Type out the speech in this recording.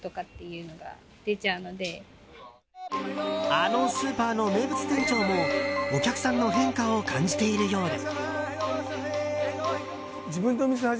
あのスーパーの名物店長もお客さんの変化を感じているようで。